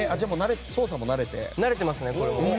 慣れてますね。